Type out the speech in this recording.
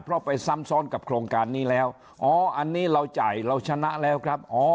เพราะไปซ้ำซ้อนกับโครงการนี้แล้วอ๋ออันนี้เราจ่ายเราชนะแล้วครับ